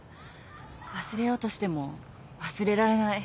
忘れようとしても忘れられない。